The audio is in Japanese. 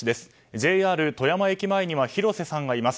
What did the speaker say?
ＪＲ富山駅前には広瀬さんがいます。